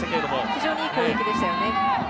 非常にいい攻撃でしたよね。